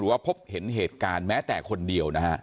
หรือว่าพบเห็นเหตุการณ์แม้แต่คนเดียว